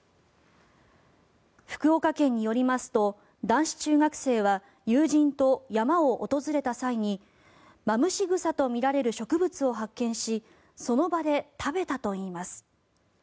福岡県によりますと男子中学生は友人と山を訪れた際にマムシグサとみられる植物を発見しその場で食べたといいます。